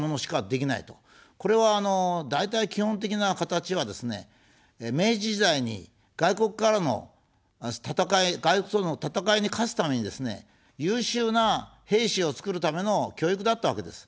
これは、あの、大体基本的な形はですね、明治時代に外国からの戦い、外国との戦いに勝つためにですね、優秀な兵士を作るための教育だったわけです。